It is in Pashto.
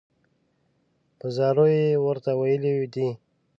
په زاریو یې ورته ویلي دي.